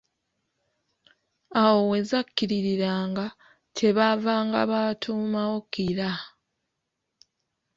Awo we zakkiririranga, kye baavanga batuumawo Kira.